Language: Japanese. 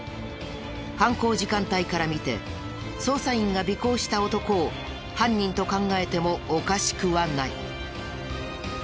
犯行時間帯から見て捜査員が尾行した男を犯人と考えてもおかしくはない。